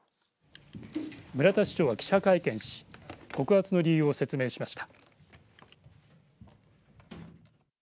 村田市長は記者会見し告発の理由を説明しました。